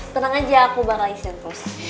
tenang aja aku bakal istirahat terus